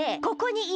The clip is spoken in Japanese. ここに！